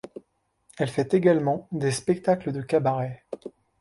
Elle fait également des spectacles de cabaret.